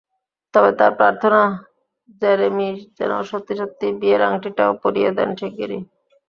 তবে তাঁর প্রার্থনা, জেরেমি যেন সত্যি সত্যিই বিয়ের আংটিটাও পরিয়ে দেন শিগগিরই।